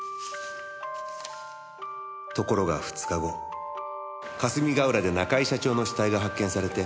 「ところが２日後霞ヶ浦で中井社長の死体が発見されて」